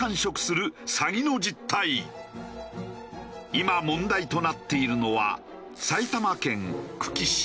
今問題となっているのは。